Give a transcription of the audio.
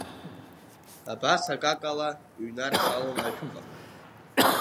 Абас акакала иҩнарцалон ажәқәа.